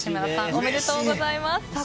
おめでとうございます。